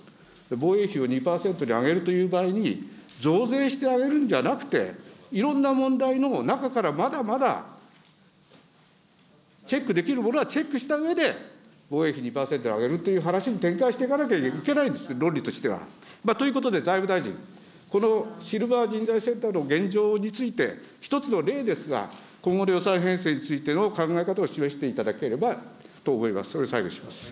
防衛費を２％に上げるという場合に、増税してあげるんじゃなくて、いろんな問題の中から、まだまだチェックできるものはチェックしたうえで防衛費２％上げるという話に展開していかなきゃいけないんです、論理としては。ということで、財務大臣、このシルバー人材センターの現状について、一つの例ですが、今後の予算編成についての考え方を示していただければと思います。